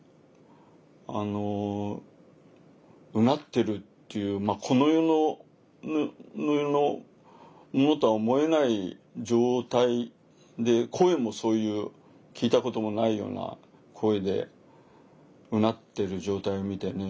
あのうなってるっていうこの世のものとは思えない状態で声もそういう聞いたこともないような声でうなってる状態を見てね